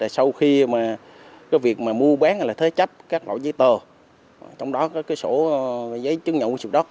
sau khi mà cái việc mà mua bán hay là thế chấp các loại giấy tờ trong đó có cái sổ giấy chứng nhận của sổ đất